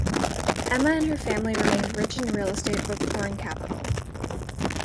Emma and her family remained rich in real estate but poor in capital.